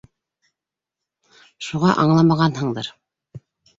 Шуға аңламағанһыңдыр.